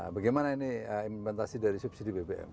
bagaimana ini implementasi dari subsidi bbm